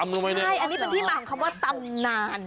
ใช่อันนี้มันคือตำนาน